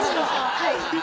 はい。